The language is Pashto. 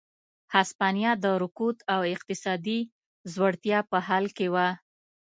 هسپانیا د رکود او اقتصادي ځوړتیا په حال کې وه.